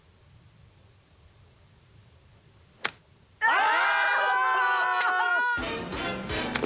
あ！あ！